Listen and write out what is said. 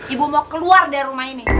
ibu mau keluar dari rumah ini